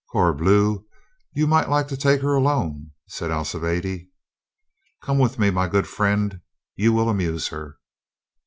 "Corbleu! you might like to take her alone," said Alcibiade. "Come with me, my good friend, you will amuse her."